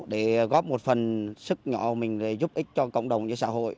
để góp một phần sức nhỏ mình để giúp ích cho cộng đồng cho xã hội